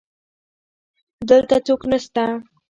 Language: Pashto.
دلته څوک نسته